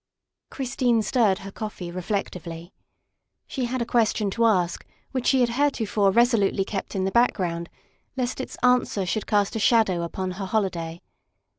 Christine stirred her coffee reflectively. She had a question to ask which she had heretofore resolutely kept in the background lest its answer should cast a shadow upon her holiday.